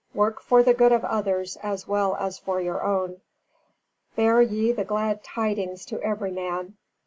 Work for the good of others as well as for your own.... Bear ye the glad tidings to every man.